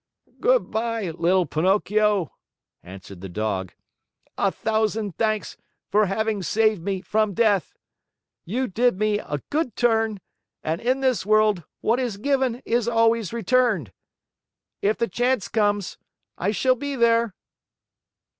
"Good by, little Pinocchio," answered the Dog. "A thousand thanks for having saved me from death. You did me a good turn, and, in this world, what is given is always returned. If the chance comes, I shall be there."